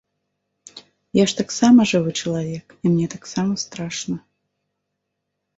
Я ж таксама жывы чалавек, і мне таксама страшна.